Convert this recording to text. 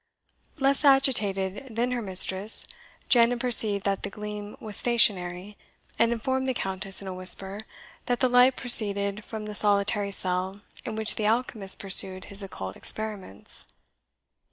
Less agitated than her mistress, Janet perceived that the gleam was stationary, and informed the Countess, in a whisper, that the light proceeded from the solitary cell in which the alchemist pursued his occult experiments.